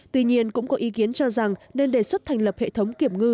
tuy nhiên cũng có ý kiến cho rằng nên đề xuất thành lập hệ thống kiểm ngư